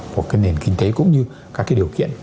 của cái nền kinh tế cũng như các cái điều kiện